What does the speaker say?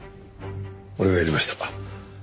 俺がやりました。